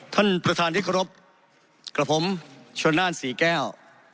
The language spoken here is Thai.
ท่านประธานริกรพกับผมชุลนานศรีแก้ว